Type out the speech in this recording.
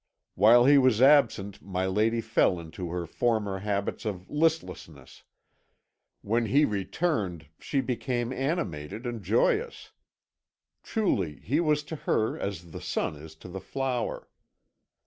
While he was absent my lady fell into her former habits of listlessness; when he returned she became animated and joyous. Truly he was to her as the sun is to the flower.